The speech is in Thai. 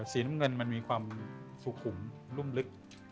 สีน้ำเงินมันมีความสุขุมรุ่มลึก